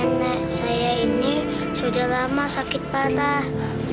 nenek saya ini sudah lama sakit parah